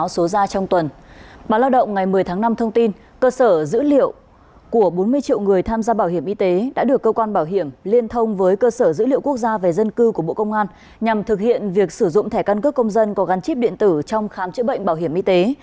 báo lao động ngày một mươi tháng năm thông tin cơ sở dữ liệu của bốn mươi triệu người tham gia bảo hiểm y tế đã được cơ quan bảo hiểm liên thông với cơ sở dữ liệu quốc gia về dân cư của bộ công an nhằm thực hiện việc sử dụng thẻ căn cước công dân có gắn chip điện tử trong khám chữa bệnh bảo hiểm y tế